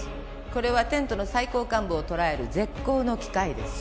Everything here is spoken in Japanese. これはテントの最高幹部を捕らえる絶好の機会です